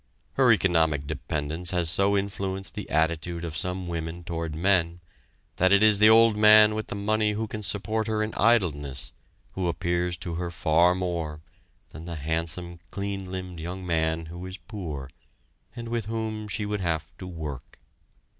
Her economic dependence has so influenced the attitude of some women toward men, that it is the old man with the money who can support her in idleness who appeals to her far more than the handsome, clean limbed young man who is poor, and with whom she would have to work.